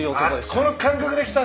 あっこの感覚で来た。